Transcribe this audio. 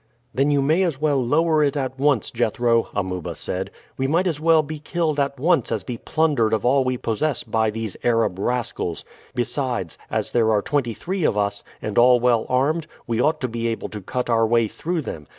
"Then you may as well lower it at once, Jethro," Amuba said. "We might as well be killed at once as be plundered of all we possess by these Arab rascals. Besides, as there are twenty three of us, and all well armed, we ought to be able to cut our way through them.